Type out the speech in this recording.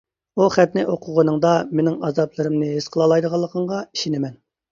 ئۇ خەتنى ئوقۇغىنىڭدا مېنىڭ ئازابلىرىمنى ھېس قىلالايدىغىنىڭغا ئىشىنىمەن.